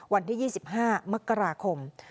วันที่๒๕มกราคม